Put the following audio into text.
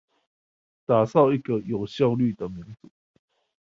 打造一個有效率的民主